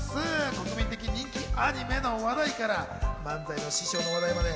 国民的人気アニメの話題から漫才の師匠の話題まで。